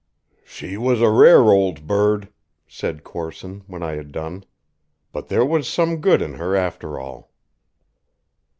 "She was a rare old bird," said Corson when I had done, "but there was some good in her, after all."